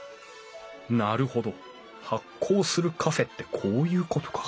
なるほど発酵するカフェってこういうことか。